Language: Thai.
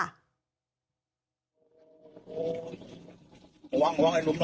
ระวัง